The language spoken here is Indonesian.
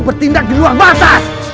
bertindak di luar batas